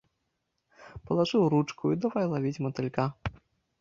Палажыў ручку, і давай лавіць матылька.